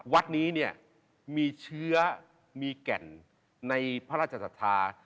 วัดนี้มีเชื้อมีแก่นในพระราชศาสตรา